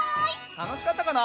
たのしかったかな？